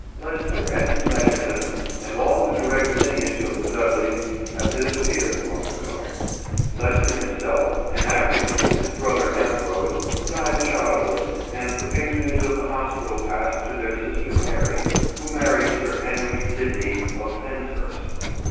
Leicester and his magnificence, and all the direct lineage of the Dudleys have disappeared long ago. Leicester himself, and after him his brother Ambrose, died childless, and the patronage of the Hospital passed to their sister Mary, who married Sir Henry Sidney of Penshurst.